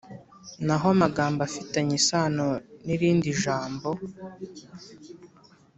Naho amagambo afitanye isano nirindi jambo